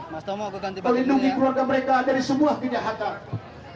dari semua fitnah melindungi keluarga mereka dari semua kenyataan